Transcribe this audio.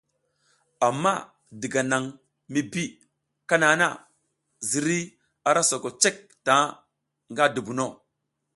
Amma diga nan mi bi kana na, zirey ara soko cek taŋ nga dubuno.